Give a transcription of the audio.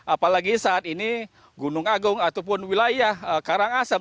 apalagi saat ini gunung agung ataupun wilayah karangasem